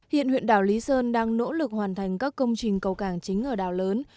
hiện huyện đảo lý sơn đang nỗ lực hoàn thành các công trình cầu cảng chính ở đảo lớn